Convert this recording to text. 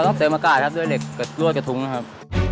เราต้องเติมอากาศครับด้วยเหล็กกับรวดกับถุงนะครับ